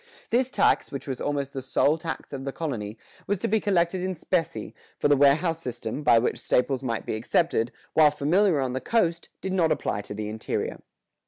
[118:2] This tax, which was almost the sole tax of the colony, was to be collected in specie, for the warehouse system, by which staples might be accepted, while familiar on the coast, did not apply to the interior.